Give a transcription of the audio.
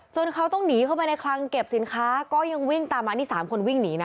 เขาต้องหนีเข้าไปในคลังเก็บสินค้าก็ยังวิ่งตามมานี่๓คนวิ่งหนีนะ